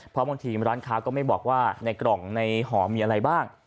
เพราะบางทีร้านค้าก็ไม่บอกว่าในกล่องในหอมีอะไรบ้าง